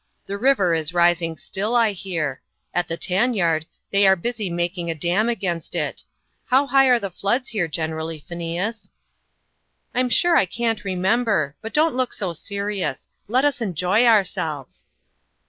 The river is rising still, I hear; at the tan yard they are busy making a dam against it. How high are the floods here, generally, Phineas?" "I'm sure I can't remember. But don't look so serious. Let us enjoy ourselves."